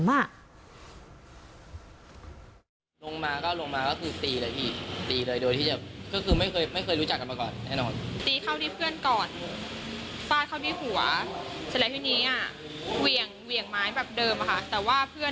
ลงมาก็ลงมาก็คือตีเลยตีตีเลยโดยที่จะก็คือไม่เคย